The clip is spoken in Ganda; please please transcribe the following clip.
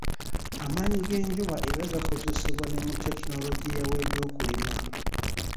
Amaanyi g'enjuba era gakozesebwa ne mu tekinologiya w'ebyokulima